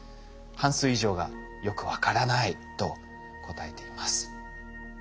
半数以上が「よく分からない」と答えています。